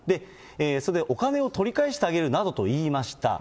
それでお金を取り返してあげるなどと言いました。